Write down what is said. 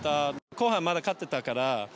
後半、まだ勝っていたから。